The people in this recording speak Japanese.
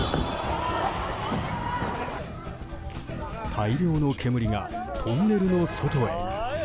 大量の煙がトンネルの外へ。